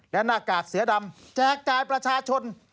และหน้ากากเสือดำแจกจ่ายประชาชน